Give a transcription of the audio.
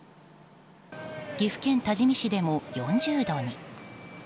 岐阜県多治見市でも４０度に。